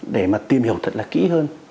để mà tìm hiểu thật là kỹ hơn